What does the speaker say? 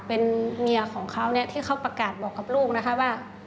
เป็นเมียของเขาเนี่ยที่เขาประกาศบอกกับลูกนะคะว่า